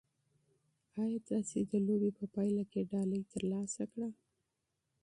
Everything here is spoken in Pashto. ایا تاسي د لوبې په پایله کې ډالۍ ترلاسه کړه؟